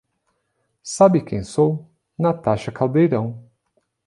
Sabe quem sou? Natasha Caldeirão